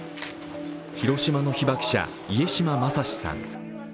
広島の被爆者、家島昌志さん。